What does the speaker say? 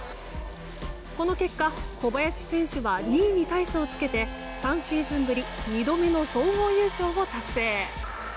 この結果、小林選手は２位に大差をつけて３シーズンぶり２度目の総合優勝を達成。